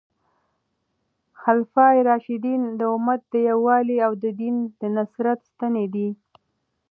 خلفای راشدین د امت د یووالي او د دین د نصرت ستنې دي.